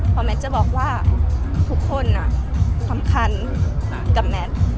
เพราะแมทจะบอกว่าทุกคนสำคัญกับแมท